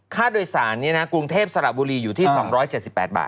ค่าโดยสารนี้นะกรุงเทพสระบุรีอยู่ที่๒๗๘บาท